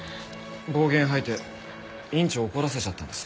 暴言吐いて院長を怒らせちゃったんです。